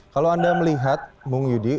kalau anda melihat mung yudi di